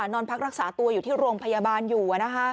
นอนพักรักษาตัวอยู่ที่โรงพยาบาลอยู่